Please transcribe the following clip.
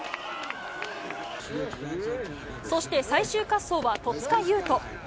そして最終滑走は戸塚優斗。